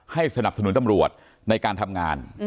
สนับสนุนตำรวจในการทำงาน